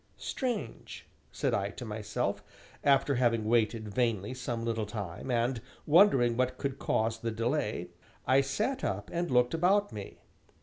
"Strange!" said I to myself, after having waited vainly some little time, and wondering what could cause the delay, I sat up and looked about me.